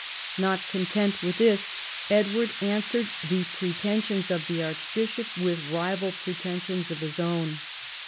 Not content Avith this, Edward answered the pretensions of the archbishop with rival pretensions of his own.